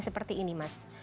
seperti ini mas